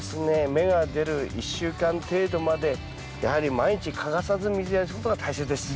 芽が出る１週間程度までやはり毎日欠かさず水やりすることが大切です。